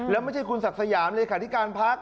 แล้วไม่ใช่คุณศักดิ์สยามเลขาธิการพัก